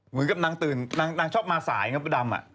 เหมือนกับนางตื่นนางชอบมาสายอย่างน้องมดดำ